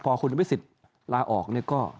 พอคุณธนตรีศิษย์ลาออกก็